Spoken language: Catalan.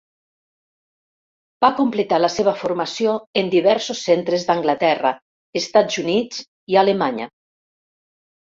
Va completar la seva formació en diversos centres d'Anglaterra, Estats Units i Alemanya.